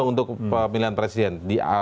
untuk pemilihan presiden